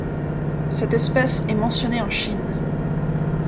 Cette espèce est mentionnée en Chine.